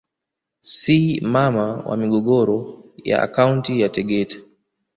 Si mama wa migogoro ya akaunti ya Tegeta